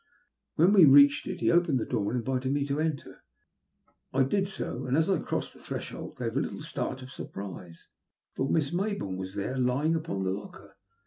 When we reached it, he opened the door and invited me to enter. I did so, and, as I crossed the threshold, gave a little start of surprise, for Miss Mayboume was there, lying upon the locker.